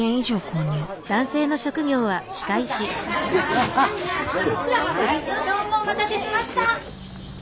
どうもお待たせしました。